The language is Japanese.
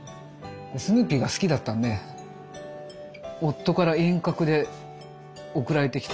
スヌーピーが好きだったんで夫から遠隔で贈られてきて。